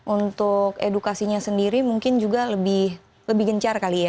untuk edukasinya sendiri mungkin juga lebih gencar kali ya